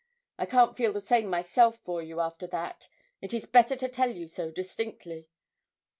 I can't feel the same myself for you after that, it is better to tell you so distinctly.